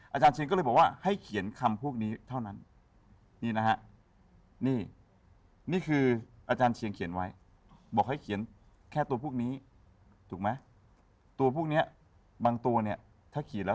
อาจารย์เชียงก็เลยบอกว่าให้เขียนคำพวกนี้เท่านั้น